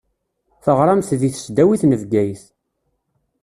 Teɣṛamt di tesdawit n Bgayet.